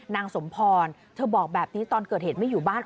นางสมพรเธอบอกแบบนี้ตอนเกิดเหตุไม่อยู่บ้าน